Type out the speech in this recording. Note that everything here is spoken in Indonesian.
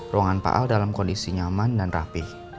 ruangan pak al dalam kondisi nyaman dan rapih